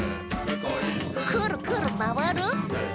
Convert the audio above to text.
「くるくるまわる！」